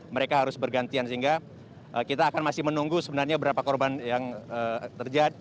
mereka harus bergantian sehingga kita akan masih menunggu sebenarnya berapa korban yang terjadi